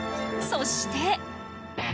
そして。